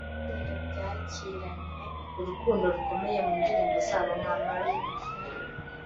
Iri tsinda ryakiranywe urukundo rukomeye mu ndirimbo zabo nka ‘Marry Me’